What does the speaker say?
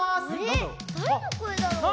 だれのこえだろう？